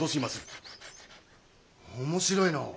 面白いの。